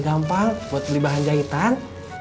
gampang buat beli bahan jahitan